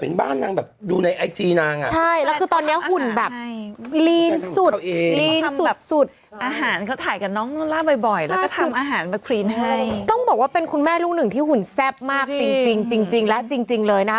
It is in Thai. พี่เจนท์นี่บอกไม่รู้จักหมูกระทะนะ